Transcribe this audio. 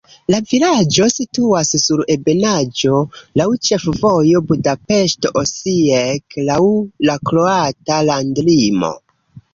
La vilaĝo situas sur ebenaĵo, laŭ ĉefvojo Budapeŝto-Osijek, laŭ la kroata landlimo.